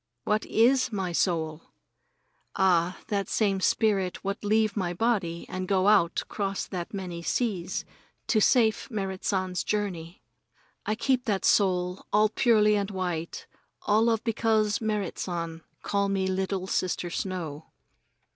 What is my soul? Ah, that same spirit what leave my body and go out 'cross that many seas to safe Merrit San's journey. I keep that soul all purely and white all of because Merrit San call me Little Sister Snow.